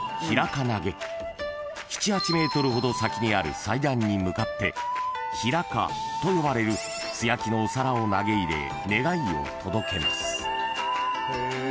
［７８ｍほど先にある祭壇に向かって平瓮と呼ばれる素焼きのお皿を投げ入れ願いを届けます］